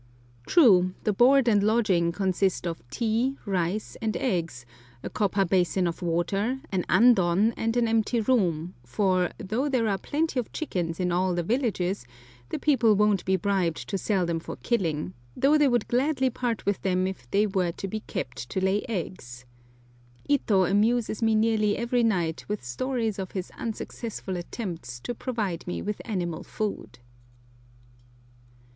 True, the board and lodging consist of tea, rice, and eggs, a copper basin of water, an andon and an empty room, for, though there are plenty of chickens in all the villages, the people won't be bribed to sell them for killing, though they would gladly part with them if they were to be kept to lay eggs. Ito amuses me nearly every night with stories of his unsuccessful attempts to provide me with animal food.